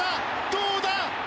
どうだ？